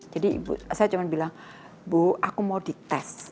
jadi ibu saya cuma bilang bu aku mau dites sama dpr